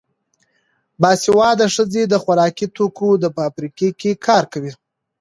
باسواده ښځې د خوراکي توکو په فابریکو کې کار کوي.